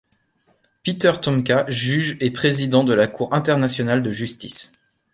Peter Tomka, juge et président de la Cour internationale de justice.